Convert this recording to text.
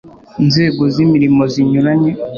nzego z imirimo zinyuranye